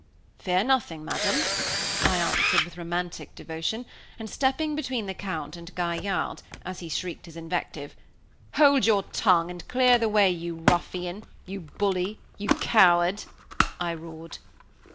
"Fear nothing, Madame," I answered, with romantic devotion, and stepping between the Count and Gaillarde, as he shrieked his invective, "Hold your tongue, and clear the way, you ruffian, you bully, you coward!" I roared.